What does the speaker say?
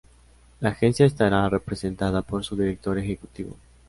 La Agencia estará representada por su Director Ejecutivo.